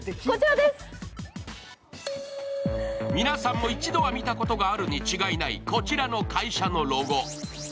皆さんも一度は見たことがあるに違いない、こちらの会社のロゴ。